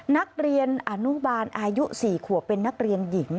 นักเรียนอนุบาลอายุ๔ขวบเป็นนักเรียนหญิง